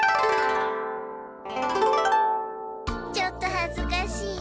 ちょっとはずかしい。